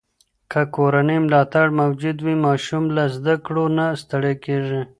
که کورنۍ ملاتړ موجود وي، ماشوم له زده کړو نه ستړی کېږي.